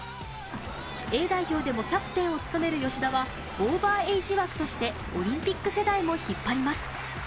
Ａ代表でもキャプテンを務める吉田はオーバーエイジ枠としてオリンピック世代も引っ張ります。